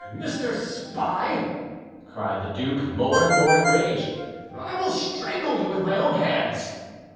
"Mr. Spy," cried the duke, more and more enraged, "I will strangle you with my own hands."